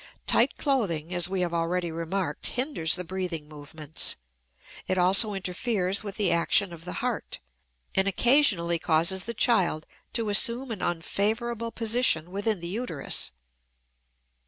Tight clothing, as we have already remarked, hinders the breathing movements; it also interferes with the action of the heart, and occasionally causes the child to assume an unfavorable position within the uterus.